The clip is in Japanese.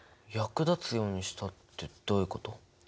役立つようにしたってどういうこと？